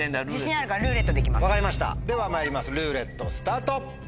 分かりましたではまいりますルーレットスタート！